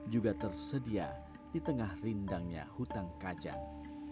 juga tersedia di tengah rindangnya hutang kajang